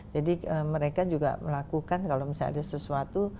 mereka juga melakukan kalau misalnya ada sesuatu